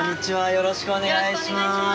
よろしくお願いします。